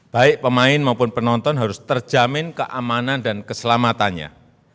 baik pemain maupun penonton harus terjamin keamanan dan keselamatannya